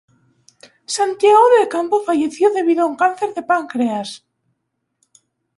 Santiago del Campo falleció debido a un cáncer de páncreas.